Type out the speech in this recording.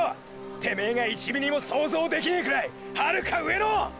てめェが１ｍｍも想像できねェくらいはるか上の！！